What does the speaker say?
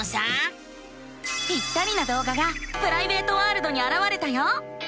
ぴったりなどうががプライベートワールドにあらわれたよ。